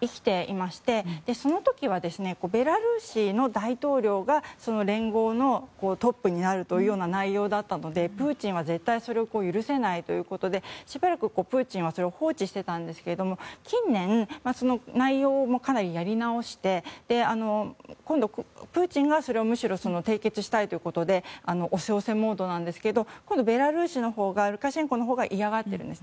生きていましてその時はベラルーシの大統領が連合のトップになるという内容でプーチンはそれを許せないということでしばらくプーチンはそれを放置していたんですが近年その内容もかなり練り直して今度、プーチンがそれをむしろ締結したいということで押せ押せモードなんですがベラルーシのほうがルカシェンコのほうが嫌がっているんです。